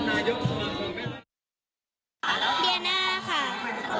ก็จะมีการพิพากษ์ก่อนก็มีเอ็กซ์สุขก่อน